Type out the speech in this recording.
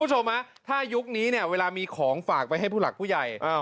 คุณผู้ชมฮะถ้ายุคนี้เนี่ยเวลามีของฝากไปให้ผู้หลักผู้ใหญ่